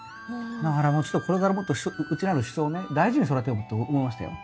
だからもうちょっとこれからもっとうちにあるシソをね大事に育てようって思いましたよ。